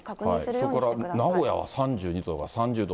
それから名古屋は３２度とか３０度。